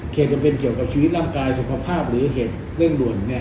จะเป็นเกี่ยวกับชีวิตร่างกายสุขภาพหรือเหตุเร่งด่วน